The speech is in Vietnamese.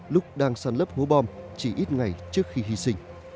lúc đang săn lấp hố bom chỉ ít ngày trước khi hy sinh